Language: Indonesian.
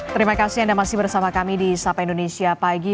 terima kasih anda masih bersama kami di sapa indonesia pagi